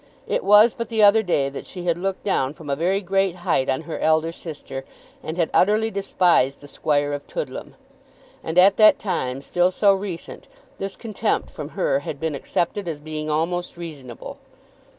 It was but the other day that she had looked down from a very great height on her elder sister, and had utterly despised the squire of Toodlam. And at that time, still so recent, this contempt from her had been accepted as being almost reasonable.